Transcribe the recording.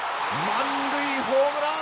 満塁ホームラン。